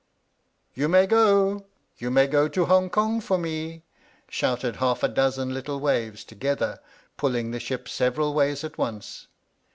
"You may go ! You may go to Hongkong for me!" shouted half a dozen little waves to gether, pulling the ship several ways at once.